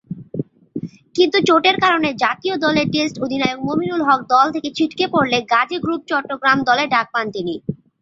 কিন্তু চোটের কারণে জাতীয় দলের টেস্ট অধিনায়ক মমিনুল হক দলকে থেকে ছিটকে পড়লে, গাজী গ্রুপ চট্টগ্রাম দলে ডাক পান তিনি।